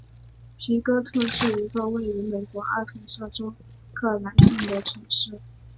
皮哥特是一个位于美国阿肯色州克莱县的城市。